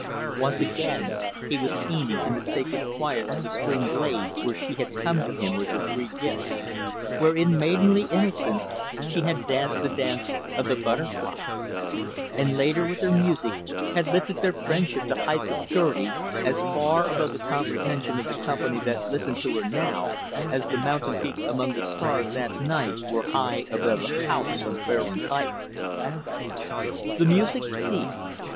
Once again, he was painting in the sacred quiet of the spring glade where she had come to him with her three gifts; where, in maidenly innocence, she had danced the dance of the butterflies; and, later, with her music, had lifted their friendship to heights of purity as far above the comprehension of the company that listened to her now, as the mountain peaks among the stars that night were high above the house on Fairlands Heights. The music ceased.